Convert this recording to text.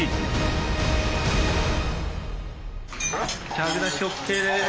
客出しＯＫです。